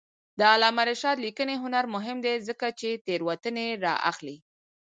د علامه رشاد لیکنی هنر مهم دی ځکه چې تېروتنې رااخلي.